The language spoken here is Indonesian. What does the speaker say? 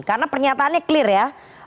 karena pernyataannya clear ya